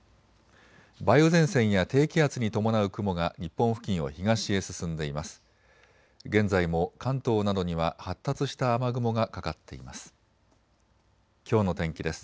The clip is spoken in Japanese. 梅雨前線や低気圧に伴う雲が日本付近を東へ進んでいます。